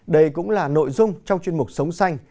đây cũng là nội dung trong chuyên mục sống xanh